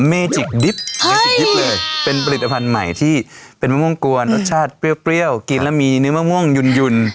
เฮ้ยเป็นผลิตภัณฑ์ใหม่ที่เป็นมะม่วงกวนรสชาติเปรี้ยวเปรี้ยวกินแล้วมีเนื้อมะม่วงหยุ่นหยุ่น